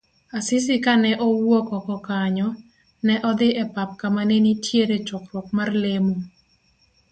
Asisi kane owuok oko kanyo, ne odhi e pap kama nenitiere chokruok mar lemo.